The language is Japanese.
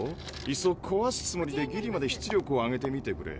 いっそこわすつもりでギリまで出力を上げてみてくれ。